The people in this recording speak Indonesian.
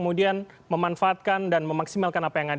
mungkin berhasil untuk menjelaskan rasanya